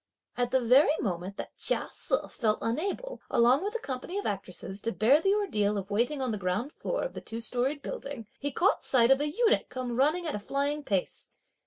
At the very moment that Chia Se felt unable, along with a company of actresses, to bear the ordeal of waiting on the ground floor of the two storied building, he caught sight of a eunuch come running at a flying pace.